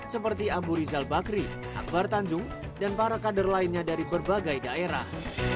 seperti abu rizal bakri akbar tanjung dan para kader lainnya dari berbagai daerah